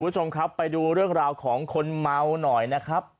คุณผู้ชมครับไปดูเรื่องราวของคนเมาหน่อยนะครับ